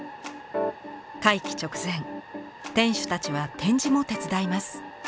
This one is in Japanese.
会期直前店主たちは展示も手伝います。